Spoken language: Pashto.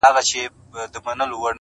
اورنګ دي اوس چپاو کوي پر پېغلو ګودرونو-